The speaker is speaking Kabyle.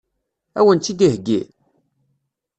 Ad wen-tt-id-iheggi?